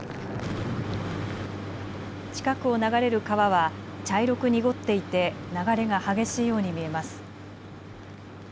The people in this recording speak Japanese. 近くを流れる川は茶色く濁っていて流れが激しいように見えます。